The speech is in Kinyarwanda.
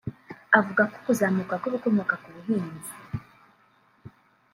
avuga ko kuzamuka kw’ibikomoka ku buhinzi